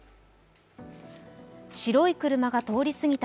白い車が通りすぎた